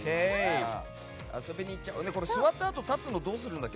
座ったあと立つのはどうするんだっけ？